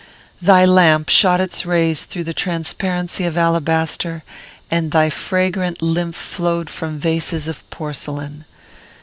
Thy lamp shot its rays through the transparency of alabaster, and thy fragrant lymph flowed from vases of porcelain.